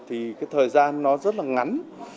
thì cái thời gian nó rất là ngắn